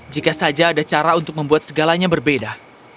jika saja ada cara untuk membuat segalanya berbeda